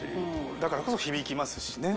だからこそ響きますしね。